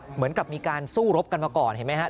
เหมือนกับมีการสู้รบกันมาก่อนเห็นไหมครับ